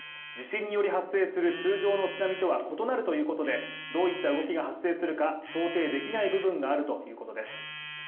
地震により発生する通常の津波とは異なるということで、どういった動きが発生するか想定できない部分があるということです。